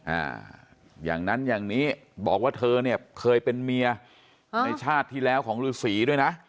อ่าอย่างนั้นอย่างนี้บอกว่าเธอเนี่ยเคยเป็นเมียในชาติที่แล้วของฤษีด้วยนะ